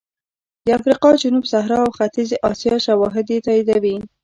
د افریقا جنوب صحرا او ختیځې اسیا شواهد یې تاییدوي